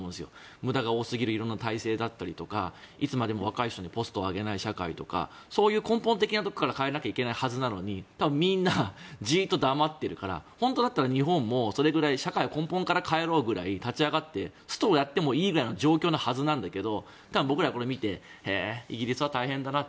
無駄が多すぎる色んな体制だったりとかいつまでも若い人にポストを上げない社会とかそういう根本的なところから変えなきゃいけないはずなのにみんな黙ってるから本当だったら日本もそれくらい社会を根本から変えろくらい立ち上がってストをやってもいいくらいの状況のはずなんだけど僕ら、これを見てへえ、イギリスは大変だなって。